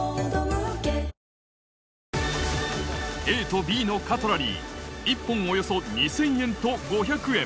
ＡとＢのカトラリー１本およそ２０００円と５００円